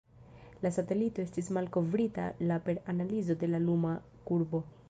La satelito estis malkovrita la per analizo de la luma kurbo.